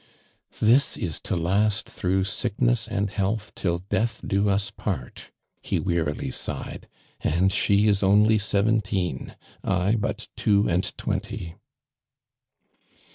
"This is to last through sickness and health till death do us part!' he wearily sighed. " And she is only seventeen — 1 but two and twenty!"